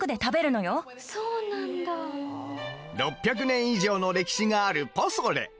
６００年以上の歴史があるポソレ。